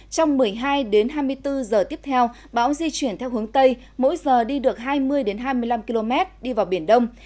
trong một mươi hai hai mươi bốn giờ tiếp theo bão di chuyển theo hướng tây mỗi giờ đi được hai mươi hai mươi năm km đi vào biển đông